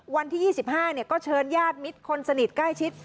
วันที่๒๕ก็เชิญญาติมิตรคนสนิทใกล้ชิด